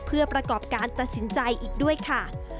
เพื่อประกอบการตัดสินใจอีกด้วยค่ะ